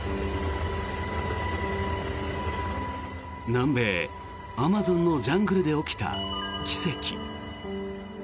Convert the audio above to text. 南米アマゾンのジャングルで起きた奇跡。